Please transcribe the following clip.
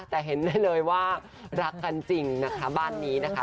แต่เห็นได้เลยว่ารักกันจริงนะคะบ้านนี้นะคะ